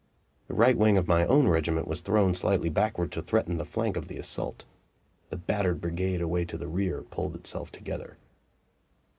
The right wing of my own regiment was thrown slightly backward to threaten the flank of the assault. The battered brigade away to the rear pulled itself together.